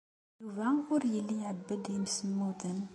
Yuba ur yelli iɛebbed imsemmuden.